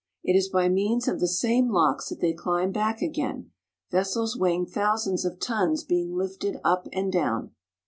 It is by means of the same locks that they climb back again, ves sels weighing thousands of tons being lifted up and down.